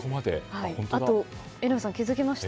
あと榎並さん、気づきました？